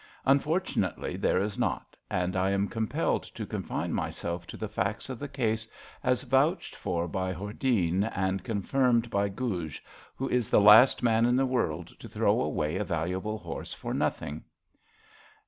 Un fortunately, there is not, and I am compelled to confine myself to the facts of the case as vouched for by Hordene and confirmed by ^^ Guj,'* who is the last man in the world to throw away a valuable horse for nothing.